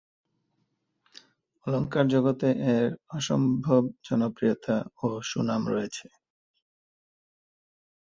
অলঙ্কার জগতে এর অসম্ভব জনপ্রিয়তা ও সুনাম রয়েছে।